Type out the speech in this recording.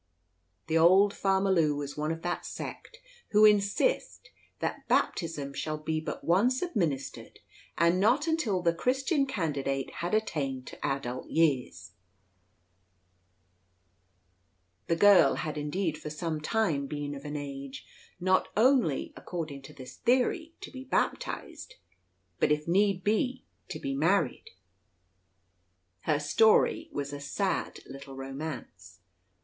Old Farmer Lew was one of that sect who insist that baptism shall be but once administered, and not until the Christian candidate had attained to adult years. The girl had indeed for some time been of an age not only, according to this theory, to be baptised, but if need be to be married. Her story was a sad little romance.